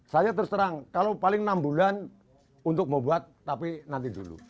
saya terserang kalau paling enam bulan untuk membuat tapi nanti dulu